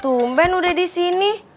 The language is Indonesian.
tumpen udah disini